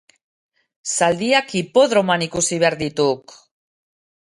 Zaldiak hipodromoan ikusi behar dituk!